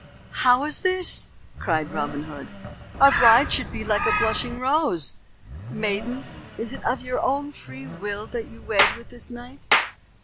"How is this?" cried Robin Hood. "A bride should be like a blushing rose. Maiden, is it of your own free will that you wed with this knight?"